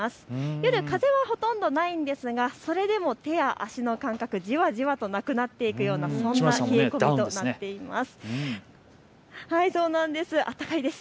夜、風がほとんどないんですがそれでも手や足の感覚、じわじわとなくなっていくようなそんな冷え込みです。